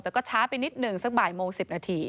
แต่ก็ช้าไปนิดหนึ่งสักบ่ายโมง๑๐นาที